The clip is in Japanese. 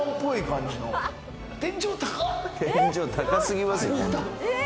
天井高すぎますよ。